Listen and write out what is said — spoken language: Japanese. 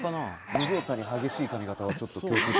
無造作に激しい髪型はちょっと共通点。